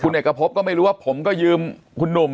เอกพบก็ไม่รู้ว่าผมก็ยืมคุณหนุ่ม